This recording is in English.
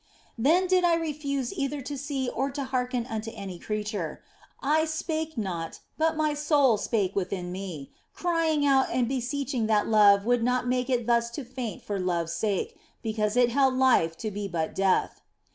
Then did I refuse either to see or to hearken unto any creature ; I spake not, but my soul spake within me, crying out and beseeching that love would not make it thus to faint for love s sake, because it held life to be but death.